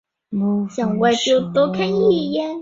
每个文化都对拥抱有着不同的解释和定义。